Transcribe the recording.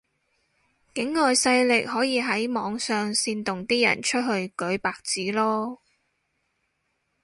境外勢力可以喺網上煽動啲人出去舉白紙囉